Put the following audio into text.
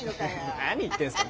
何言ってんすか。